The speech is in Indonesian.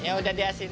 ini udah di asinin